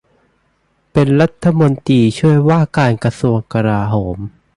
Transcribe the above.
เป็นรัฐมนตรีช่วยว่าการกระทรวงกลาโหม